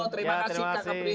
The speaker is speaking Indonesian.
terima kasih kak kepri